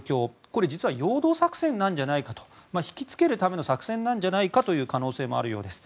これ実は陽動作戦なんじゃないかと引きつけるための作戦じゃないかという可能性もあるようです。